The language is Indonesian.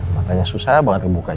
makanya susah banget kebukanya